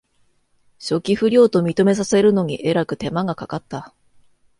初期不良と認めさせるのにえらく手間がかかった